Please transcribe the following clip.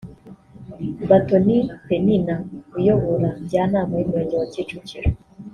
Batoni Penina uyobora Njyanama y’umurenge wa Kicukiro